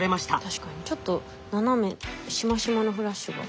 確かにちょっと斜めしましまのフラッシュが。